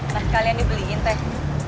nanti kalian dibeliin teh